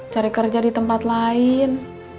cari kerja di tempat lain